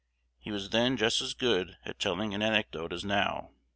He was then just as good at telling an anecdote as now.